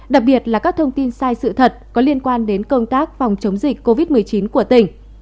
đặc biệt là các thông tin sai sự thật có liên quan đến công tác phòng chống dịch covid một mươi chín của tỉnh